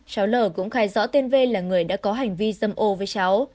cháu l cũng khai rõ tên v là người đã có hành vi dâm ô với cháu